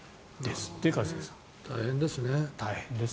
大変ですね。